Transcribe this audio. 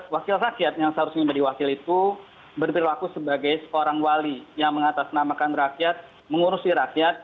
wakil rakyat yang seharusnya menjadi wakil itu berperilaku sebagai seorang wali yang mengatasnamakan rakyat mengurusi rakyat